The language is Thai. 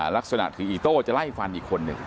ลักษณะถืออีโต้จะไล่ฟันอีกคนหนึ่ง